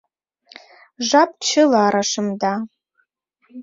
Жап чыла рашемда.